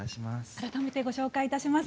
改めてご紹介いたします。